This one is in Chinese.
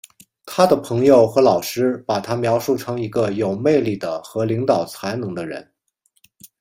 他的朋友和老师把他描述成一个有魅力的和领导才能的人。